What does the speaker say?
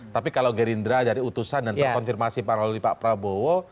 tapi kalau gerindra dari utusan dan terkonfirmasi pak prabowo